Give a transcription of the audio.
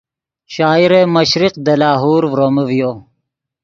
شاعر مشرق دے لاہور ڤرومے ڤیو